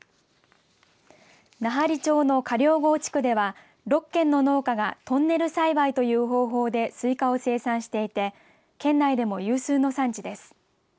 奈半利町の加領郷地区では６軒の農家がトンネル栽培という方法でスイカを生産していて県内でも有数の産地です。